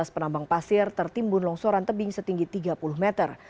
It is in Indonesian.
dua belas penambang pasir tertimbun longsoran tebing setinggi tiga puluh meter